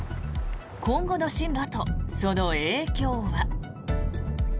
今後の進路とその影響は。